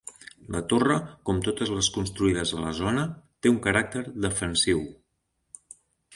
La torre, com totes les construïdes a la zona, té un caràcter defensiu.